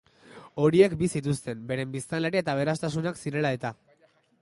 Horiek bi zituzten, beren biztanleria eta aberastasunak zirela eta.